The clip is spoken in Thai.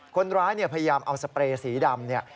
คนร้ายพยายามเอาสเปรย์สีดำเนี่ย